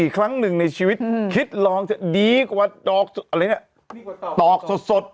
ครั้งนึงในชีวิตคิดลองจะดีกว่าตอกสด